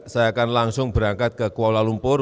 saya akan langsung berangkat ke kuala lumpur